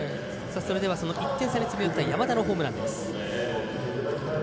それでは１点差に詰め寄った山田のホームランです。